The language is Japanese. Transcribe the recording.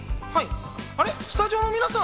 スタジオの皆さん？